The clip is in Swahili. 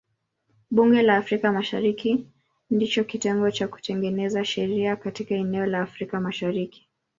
Bunge la Afrika Mashariki ndicho kitengo cha kutengeneza sheria katika eneo la Afrika Mashariki.